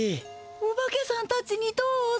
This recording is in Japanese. おばけさんたちにどうぞ。